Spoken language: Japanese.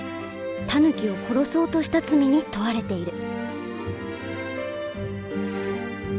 タヌキを殺そうとした罪に問われている。